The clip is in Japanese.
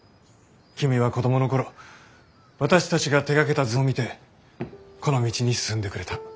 君は子供の頃私たちが手がけた図を見てこの道に進んでくれた。